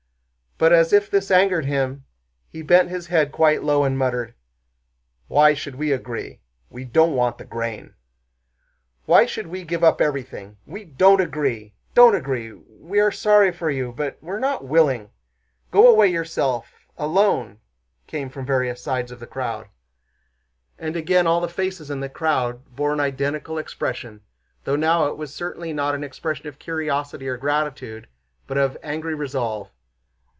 But as if this angered him, he bent his head quite low and muttered: "Why should we agree? We don't want the grain." "Why should we give up everything? We don't agree. Don't agree.... We are sorry for you, but we're not willing. Go away yourself, alone..." came from various sides of the crowd. And again all the faces in that crowd bore an identical expression, though now it was certainly not an expression of curiosity or gratitude, but of angry resolve.